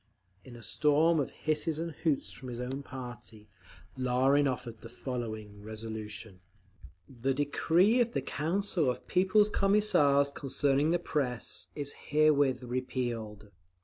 In a storm of hisses and hoots from his own party, Larin offered the following resolution: The decree of the Council of People's Commissars concerning the Press is herewith repealed.